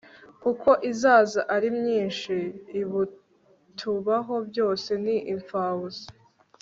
kuko izaza ari myinshi. ibitubaho byose ni impfabusa